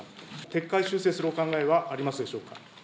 撤回、修正するお考えはありますでしょうか。